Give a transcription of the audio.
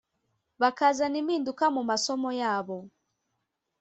bakazana impinduka mu masomo yabo